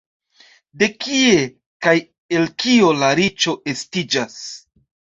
De kie kaj el kio la riĉo estiĝas?